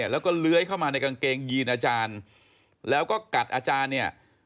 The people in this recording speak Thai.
แล้วก็เลื้อยเข้ามาในกางเกงยีนอาจารย์แล้วก็กัดอาจารย์เนี่ย